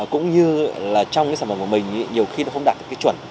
cũng như trong sản phẩm của mình nhiều khi nó không đạt được cái chuẩn